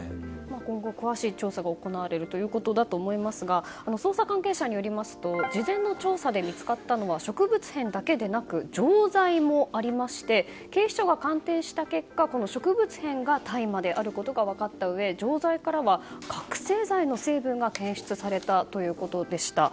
今後、詳しい調査が行われると思いますが捜査関係者によりますと事前の調査で見つかったのは植物片だけでなく錠剤もありまして警視庁が鑑定した結果植物片が大麻であることが分かったうえ、錠剤からは覚醒剤の成分が検出されたということでした。